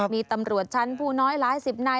มีตำรวจชั้นผู้น้อยหลายสิบนาย